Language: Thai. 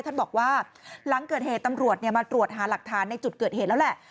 ท่านบอกว่าหลังเกิดเหตุตำรวจมาตรวจหาหลักฐานในจุดเกิดเหตุแล้วแหละ